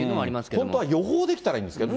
本当は予報できたらいいんですけどね。